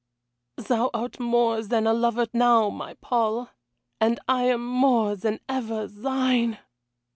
"Thou art more than a lover now, my Paul and I am more than ever THINE."